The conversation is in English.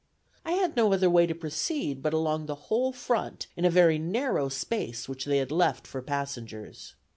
I had no other way to proceed but along the whole front in a very narrow space which they had left for passengers.